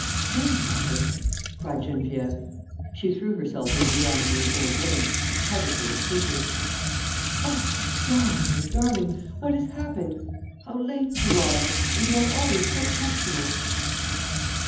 "Grandmother!" cried Geneviève. She threw herself into the arms of an old woman, who covered her with kisses: "Oh, my darling, my darling, what has happened? How late you are! ... And you are always so punctual!"